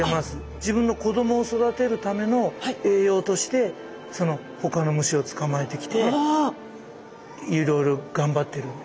自分の子どもを育てるための栄養としてほかの虫を捕まえてきていろいろ頑張ってるんです。